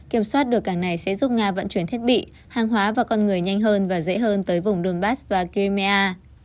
kiểm soát được cảng này sẽ giúp nga vận chuyển thiết bị hàng hóa và con người nhanh hơn và dễ hơn tới vùng donbass và kymea